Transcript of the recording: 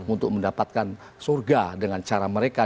untuk mendapatkan surga dengan cara mereka